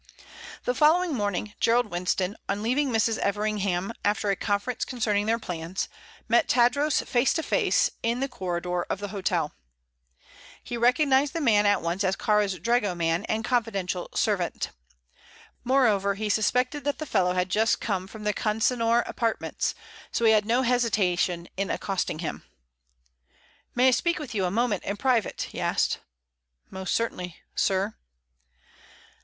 The following morning Gerald Winston, on leaving Mrs. Everingham after a conference concerning their plans, met Tadros face to face in the corridor of the hotel. He recognized the man at once as Kāra's dragoman and confidential servant. Moreover, he suspected that the fellow had just come from the Consinor apartments; so he had no hesitation in accosting him. "May I speak with you a moment in private?" he asked. "Most certainly, sir."